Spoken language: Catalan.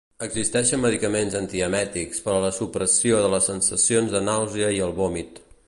Existeixen medicaments antiemètics per a la supressió de les sensacions de nàusea i el vòmit.